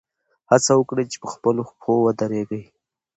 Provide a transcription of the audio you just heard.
هڅه وکړئ چې په خپلو پښو ودرېږئ.